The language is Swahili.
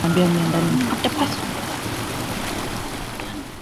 amesema hapo kabla kulikuwa na taarifa za wa